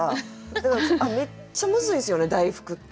めっちゃむずいんすよね大福って。